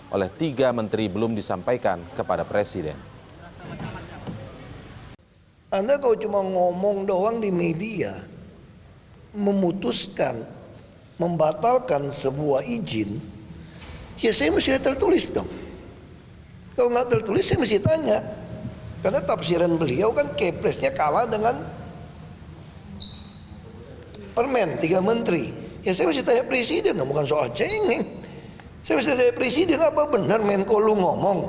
oleh tiga menteri belum disampaikan kepada presiden